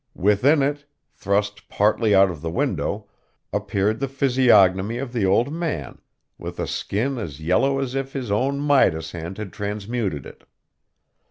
Within it, thrust partly out of the window, appeared the physiognomy of the old man, with a skin as yellow as if his own Midas hand had transmuted it.